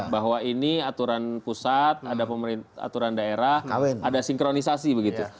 bahwa ini aturan pusat ada aturan daerah ada sinkronisasi begitu